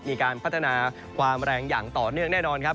มีการพัฒนาความแรงอย่างต่อเนื่องแน่นอนครับ